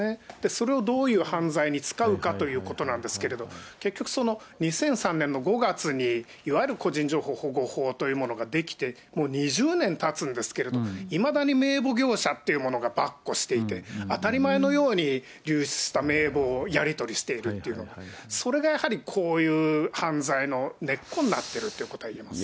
それをどういう犯罪に使うかということなんですけど、結局その、２００３年の５月にいわゆる個人情報保護法というものができて、もう２０年たつんですけれど、いまだに名簿業者っていう者がばっこしていて、当たり前のように流出した名簿をやり取りしているっていうの、それがやはり、こういう犯罪の根っこになっているということが言えますね。